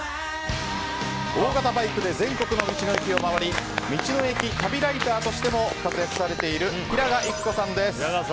大型バイクで全国の道の駅を回り道の駅旅ライダーとしても活躍されている平賀由希子さんです。